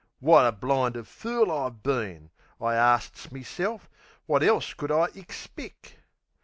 Wot a blinded fool I've been! I arsts meself, wot else could I ixpeck?